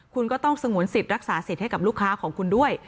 คุณก็ต้องสงวนสิทธิ์รักษาสิทธิ์ให้กับลูกค้าของคุณด้วย